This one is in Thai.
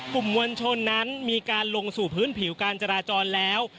กลุ่มมวลชนนั้นมีการลงสู่พื้นผิวการจราจรแล้ว